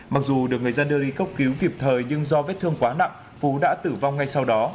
mặc dù được người dân đưa đi cấp cứu kịp thời nhưng do vết thương quá nặng phú đã tử vong ngay sau đó